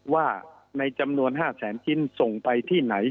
ว่าในจำนวน๕แสนชิ้นส่งไปที่ไหน